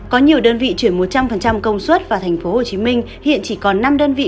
có nhiều đơn vị chuyển một trăm linh công suất vào tp hcm hiện chỉ còn năm đơn vị